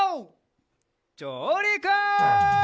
じょうりく！